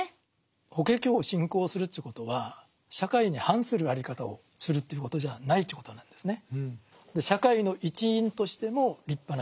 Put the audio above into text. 「法華経」を信仰するということは社会に反する在り方をするということじゃないということなんですね。